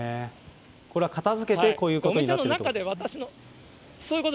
これは片づけて、こういうことになっていると？